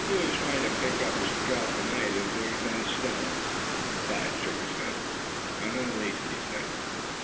"No use trying to pick up his trail to night, is there?" asked Step Hen. Thad shook his head. "Not in the least," he said.